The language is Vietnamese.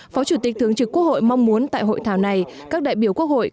phó chủ tịch thường trực quốc hội mong muốn tại hội thảo này các đại biểu quốc hội